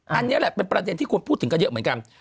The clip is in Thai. อันนี้แหละเป็นประเด็นที่ควรพูดถึงกันเยอะเหมือนกัน